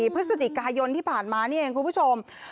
พฤศจิกายนที่ผ่านมานี่เองคุณผู้ชม